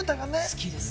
好きです。